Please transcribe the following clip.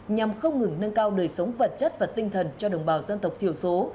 nhằm không ngừng nâng cao đời sống vật chất và tinh thần cho đồng bào dân tộc thiểu số